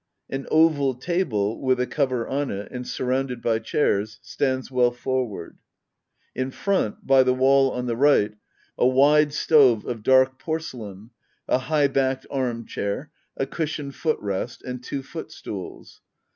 An oval table, with a cover on it, and surrounded by chairs, stands well forward. In front, by the wall on the right, a wide stove of dark porcelain, a high backed armchair, a cushioned foot rest, and two footstools.